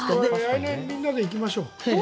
来年みんなで行きましょう。